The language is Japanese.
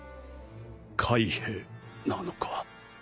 海兵なのか？